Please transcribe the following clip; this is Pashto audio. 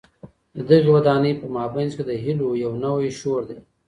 د دغي ودانۍ په مابينځ کي د هیلو یو نوی شور دی.